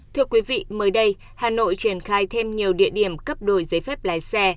thưa quý vị mới đây hà nội triển khai thêm nhiều địa điểm cấp đổi giấy phép lái xe